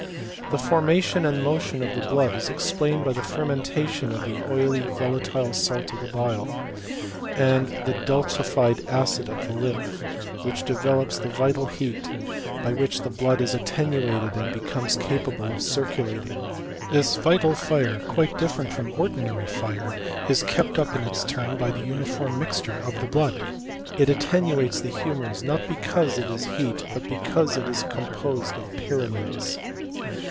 The formation and motion of the blood is explained by the fermentation of the oily volatile salt of the bile, and the dulcified acid of the lymph, which develops the vital heat, by which the blood is attenuated and becomes capable of circulating. This vital fire, quite difierent from ordinary fire is kept up in its turn by the uniform mixture of the blood. It attenuates the hnmours, not because it is heat but because it is com posed of pyramids.